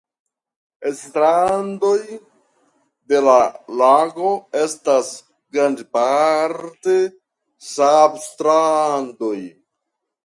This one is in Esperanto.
Strandoj de la lago estas grandparte sablstrandoj.